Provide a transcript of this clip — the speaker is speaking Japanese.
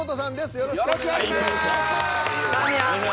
よろしくお願いします。